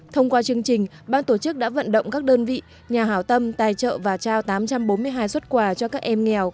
thông qua chương trình ban tổ chức đã vận động các đơn vị nhà hảo tâm tài trợ và trao tám trăm bốn mươi hai xuất quà cho các em nghèo